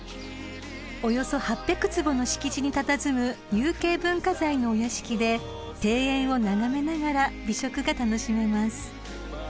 ［およそ８００坪の敷地にたたずむ有形文化財のお屋敷で庭園を眺めながら美食が楽しめます］